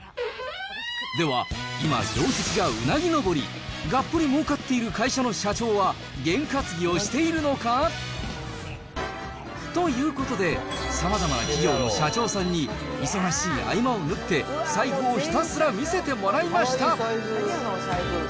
では、今、業績がうなぎ登り、がっぷり儲かっている会社の社長はゲン担ぎをしているのか？ということで、さまざまな企業の社長さんに、忙しい合間を縫って、財布をひたすら見せてもらいました。